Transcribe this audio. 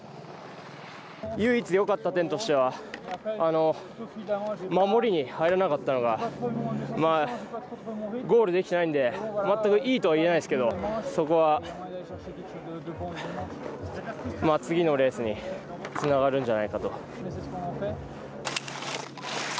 唯一よかった点としては守りに入らなかったのがゴールできてないんで全くいいとはいえないですけど、そこは次のレースにつながるんじゃないかと。